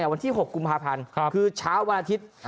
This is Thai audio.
วันที่๖กุมภาพันธ์คือเช้าวันอาทิตย์